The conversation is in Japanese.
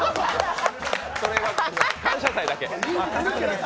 それは「感謝祭」だけ。